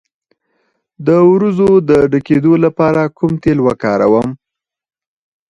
د وروځو د ډکیدو لپاره کوم تېل وکاروم؟